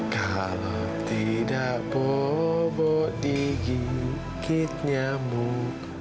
kalau tidak bobo digigit nyamuk